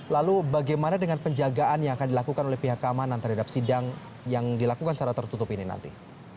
lalu bagaimana dengan penjagaan yang akan dilakukan oleh pihak keamanan terhadap sidang yang dilakukan secara tertutup ini nanti